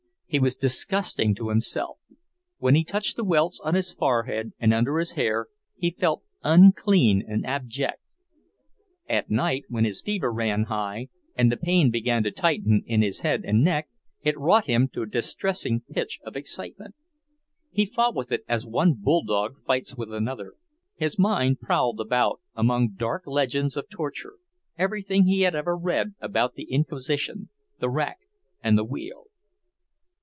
He was disgusting to himself; when he touched the welts on his forehead and under his hair, he felt unclean and abject. At night, when his fever ran high, and the pain began to tighten in his head and neck, it wrought him to a distressing pitch of excitement. He fought with it as one bulldog fights with another. His mind prowled about among dark legends of torture, everything he had ever read about the Inquisition, the rack and the wheel.